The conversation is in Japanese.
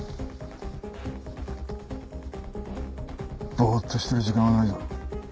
ボーッとしてる時間はないぞ。